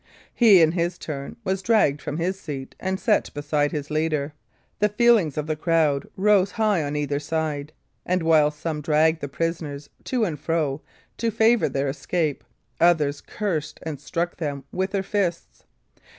He, in his turn, was dragged from his seat and set beside his leader. The feelings of the crowd rose high on either side, and while some dragged the prisoners to and fro to favour their escape, others cursed and struck them with their fists.